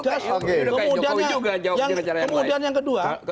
kemudian yang kedua